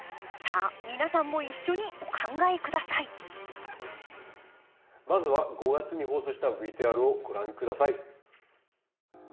さあ皆さんも一緒にお考え下さいまずは５月に放送したＶＴＲをご覧下さい。